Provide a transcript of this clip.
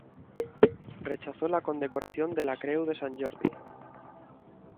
Rechazó la condecoración de la Creu de Sant Jordi.